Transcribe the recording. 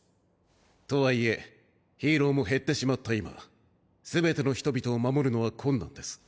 とはいえヒーローも減ってしまった今全ての人々を守るのは困難です。